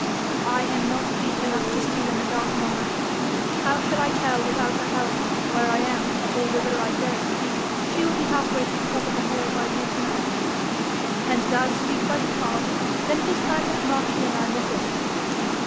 'I am not thief enough to steal in the dark, mother. How shall I tell without her help where I am or whither I go?' 'She will be half way to the top of her hill by midnight.' 'An' thou speak by the card, then is it time that Marquis and I were going.'